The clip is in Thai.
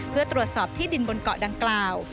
เพื่อตรวจสอบที่ดินบนเกาะดังกล่าว